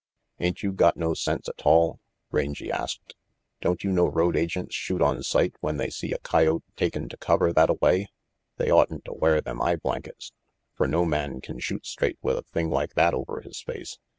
"Ain't you got no sense atoll?" Rangy asked. "Don't you know road agents shoot on sight when they see a coyote takin' to cover thatta way? They oughtn't to wear them eye blankets, fer no man can shoot straight with a thing like that over his face.